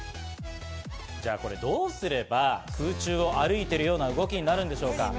じゃあこれ、どうすれば空中を歩いているような動きになるんでしょうか？